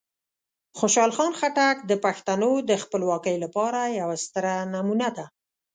خوشحال خان خټک د پښتنو د خپلواکۍ لپاره یوه ستره نمونه ده.